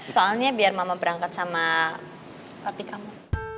soalnya biar mama berangkat sama kopi kamu